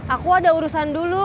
aku ada urusan dulu